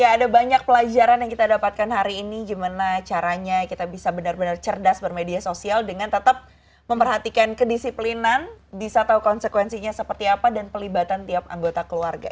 ya ada banyak pelajaran yang kita dapatkan hari ini gimana caranya kita bisa benar benar cerdas bermedia sosial dengan tetap memperhatikan kedisiplinan bisa tahu konsekuensinya seperti apa dan pelibatan tiap anggota keluarga